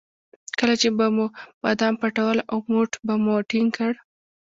کله چې به مو بادام پټول او موټ به مو ټینګ کړ.